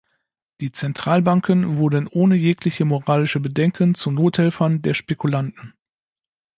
Die Zentralbanken wurden ohne jegliche moralische Bedenken zu Nothelfern der Spekulanten.